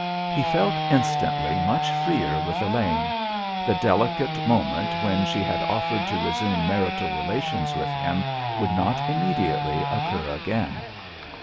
He felt instantly much freer with Elaine. The delicate moment when she had offered to resume marital relations with him would not immediately occur again.